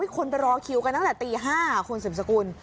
คนไปรอคิวกันตั้งแต่ตี๕คุณสืบสกุล